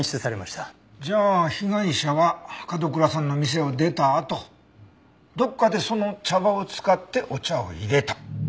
じゃあ被害者は角倉さんの店を出たあとどこかでその茶葉を使ってお茶を淹れた。